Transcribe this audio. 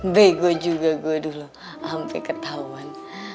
bego juga gue dulu ampe ketauan